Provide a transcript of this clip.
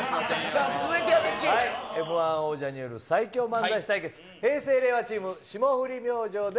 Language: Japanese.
Ｍー１王者による最強漫才師対決、平成・令和チーム、霜降り明星です。